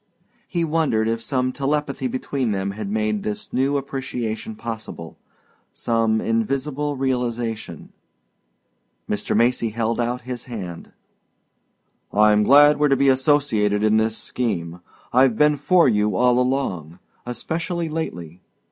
He wondered if some telepathy between them had made this new appreciation possible some invisible realization. ... Mr. Macy held out his hand. "I'm glad we're to be associated in this scheme I've been for you all along especially lately.